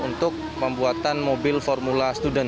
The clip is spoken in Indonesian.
untuk pembuatan mobil formula student